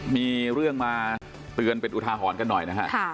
มีเรื่องมาเตือนเป็นอุทาหรณ์กันหน่อยนะฮะ